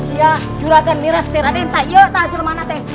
itu dia orangnya raden